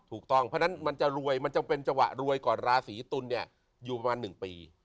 ถูกต้องเพราะฉะนั้นมันจะเป็นเจาะรวยก่อนราศิตุลอยู่ประมาณ๑ปี